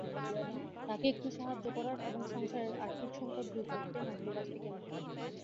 তাঁকে একটু সাহায্য করার এবং সংসারের আর্থিক সংকট দূর করতেই মাইক্রোবাসটি কেনা।